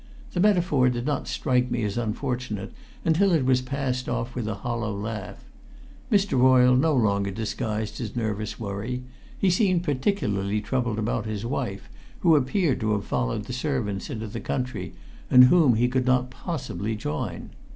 The metaphor did not strike me as unfortunate until it was passed off with a hollow laugh. Mr. Royle no longer disguised his nervous worry; he seemed particularly troubled about his wife, who appeared to have followed the servants into the country, and whom he could not possibly join.